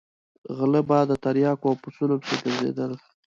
غله به د تریاکو او پسونو پسې ګرځېدل.